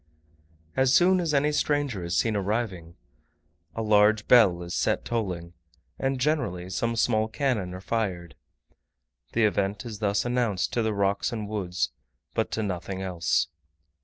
As soon as any stranger is seen arriving, a large bell is set tolling, and generally some small cannon are fired. The event is thus announced to the rocks and woods, but to nothing else.